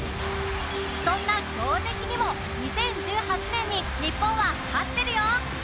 そんな強敵にも２０１８年に日本は勝ってるよ！